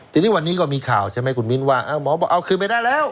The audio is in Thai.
ทีนี้วันนี้ก็มีข่าวใช่ไหมคุณมิ้นว่าหมอบอกเอาคืนไปได้แล้ว